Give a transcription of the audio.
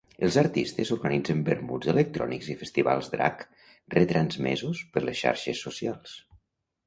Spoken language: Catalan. Els artistes organitzen vermuts electrònics i festivals drag retransmesos per les xarxes socials.